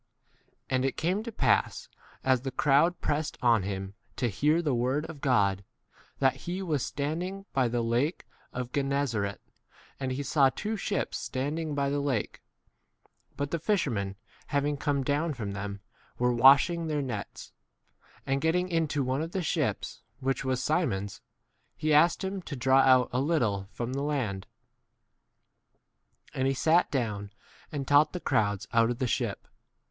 And it came to pass, as the crowd pressed on him to hear the word of God, that ° he was stand 2 ing by the lake of Gennesaret : and he saw two ships standing by the lake, but the fishermen, having come down from them, were wash 3 ing their nets. And getting into one of the ships, which was Si mon's, he asked him to draw out a little from the land ; and he sat down and taught the crowds out 4 of the ship.